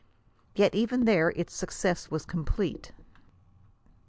Yet even there its success was complete.